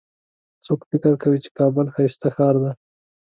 څوک فکر کوي چې کابل ښایسته ښار ده